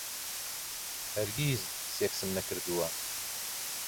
هەرگیز سێکسم نەکردووە.